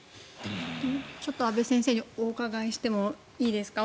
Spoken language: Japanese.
ちょっと阿部先生にお伺いしてもいいですか？